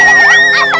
eh apa jangan